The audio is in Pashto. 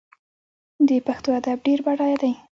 د پښتو ادب ډېر بډایه دی.